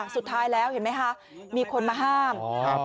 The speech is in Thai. สุดท้ายแล้วเห็นไหมคะมีคนมาห้าม